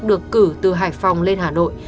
được cử từ hải phòng lên hà nội